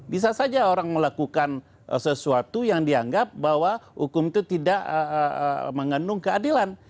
bisa saja orang melakukan sesuatu yang dianggap bahwa hukum itu tidak mengandung keadilan